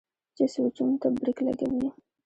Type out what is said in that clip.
چې سوچونو ته برېک لګوي